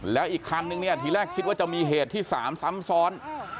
แล้วอีกคันนึงเนี่ยทีแรกคิดว่าจะมีเหตุที่๓ซ้ำซ้อน